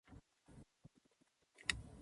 残忍で凶暴な人相のたとえ。